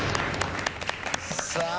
さあ